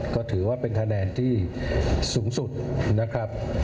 ก็ถือว่าเป็นคะแนนที่สูงสุดนะครับ